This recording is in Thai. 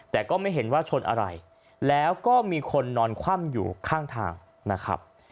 แต่ก็ไม่เห็นว่าชนอะไรแล้วก็มีคนนอนคว่ำอยู่ข้างทางนะครับ